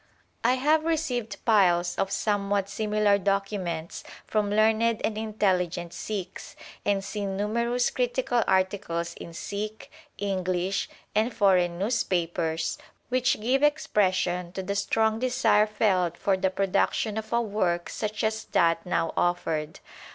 I have received piles of somewhat similar docu ments from learned and intelligent Sikhs, and seen numerous critical articles in Sikh, English, and foreign newspapers, which give expression to the strong desire felt for the production of a work such as that now offered.